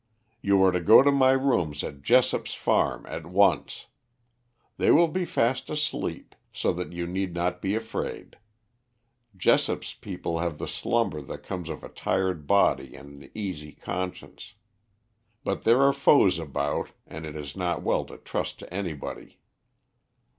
"You are to go to my rooms at Jessop's farm at once. They will be fast asleep, so that you need not be afraid. Jessop's people have the slumber that comes of a tired body and an easy conscience. But there are foes about and it is not well to trust to anybody.